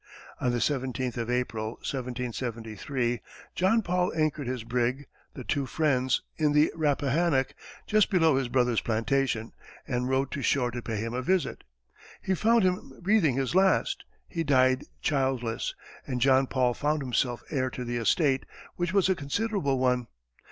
On the seventeenth of April, 1773, John Paul anchored his brig, the Two Friends, in the Rappahannock just below his brother's plantation, and rowed to shore to pay him a visit. He found him breathing his last. He died childless, and John Paul found himself heir to the estate, which was a considerable one.